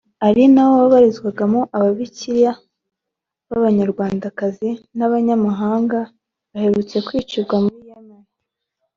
ari nawo wabarizwagamo Ababikira b’Abanyarwandakazi n’abanyamahanga baherutse kwicirwa muri Yemen